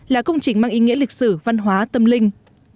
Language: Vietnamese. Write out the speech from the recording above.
là công trình mang ý nghĩa lịch sử văn hóa tâm linh